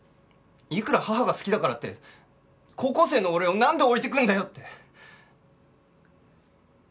いくら母が好きだからって高校生の俺をなんで置いていくんだよって。